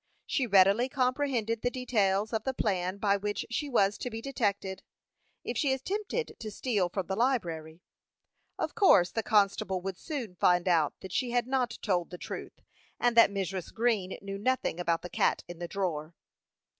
She readily comprehended the details of the plan by which she was to be detected, if she attempted to steal from the library. Of course, the constable would soon find out that she had not told the truth, and that Mrs. Green knew nothing about the cat in the drawer.